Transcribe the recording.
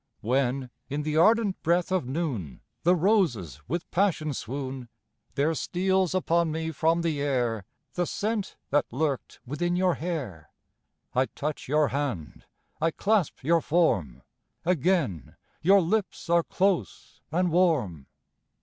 When, in the ardent breath of noon, The roses with passion swoon; There steals upon me from the air The scent that lurked within your hair; I touch your hand, I clasp your form Again your lips are close and warm.